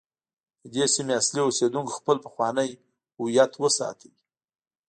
د دې سیمې اصلي اوسیدونکو خپل پخوانی هویت وساته.